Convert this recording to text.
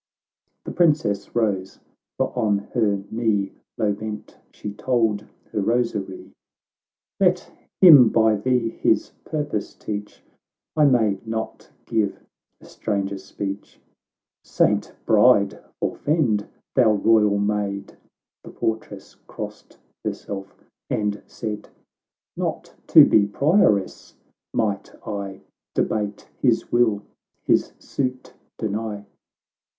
— The princess rose, — for on her knee Low bent she told her rosary,w —" Let him by thee his purpose teach ; I may not give a stranger speech." —" Saint Bride forefend, thou royal Maid !" The portress crossed herself, and said, —" Not to be prioress might I Debate his will, his suit deny."